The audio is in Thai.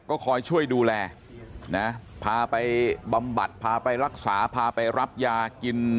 ก็คอยช่วยดูแลนะพาไปบำบัดพาไปรักษาพาไปรับยากิน